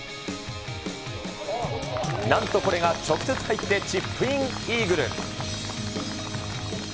なんとこれが直接入ってチップインイーグル。